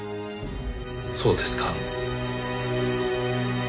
そうですか。